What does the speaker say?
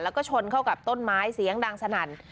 แล้วก็ชนเข้ากับต้นไม้เสียงดังสนั่น